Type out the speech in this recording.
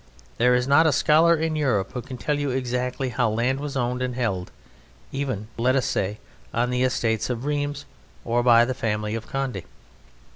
There is not a scholar in Europe who can tell you exactly how land was owned and held, even, let us say, on the estates of Rheims or by the family of Condé.